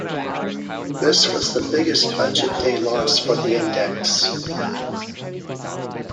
This was the biggest Budget-day loss for the index.